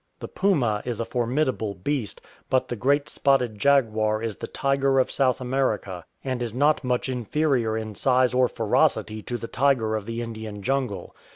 The puma is a formidable beast, but the great spotted jaguar is the tiger of South America, and is not much inferior in size or ferocity to the tiger of the Indian jungle.